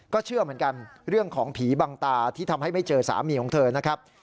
เชื่อเหมือนกันเรื่องของผีบังตาที่ทำให้ไม่เจอสามีของเธอนะครับ